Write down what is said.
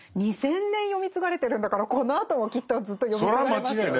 ２，０００年読み継がれてるんだからこのあともきっとずっと読み継がれますよね。